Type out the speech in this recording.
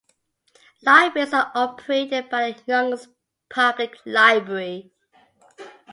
Libraries are operated by the Yonkers Public Library.